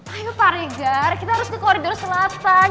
ayo pak regar kita harus ke koridor selatan